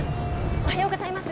おはようございます。